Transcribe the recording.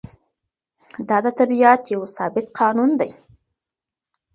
دا د طبیعت یو ثابت قانون دی.